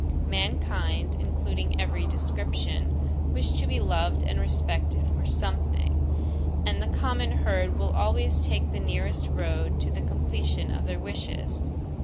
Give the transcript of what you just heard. Mankind, including every description, wish to be loved and respected for SOMETHING; and the common herd will always take the nearest road to the completion of their wishes.